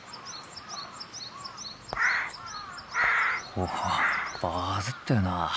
おおバズってるな。